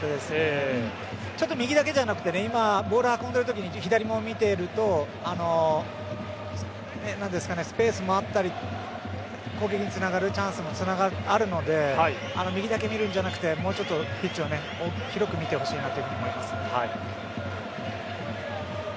右だけではなくてボールを運んでるときに左も見ているとスペースもあったり攻撃につながるチャンスもあるので右だけ見るんじゃなくてもうちょっとピッチを広く見てほしいと思います。